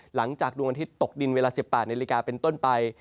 หลังจากดวงอาทิตย์ตกดินเวลา๑๘นาฬิกาเป็นต้นไป